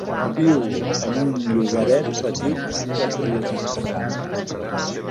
Viu en un llogaret petit del Priorat.